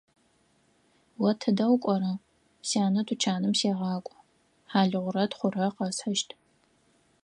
О тыдэ укӀора? – Сянэ тучаным сегъакӀо; хьалыгъурэ тхъурэ къэсхьыщт.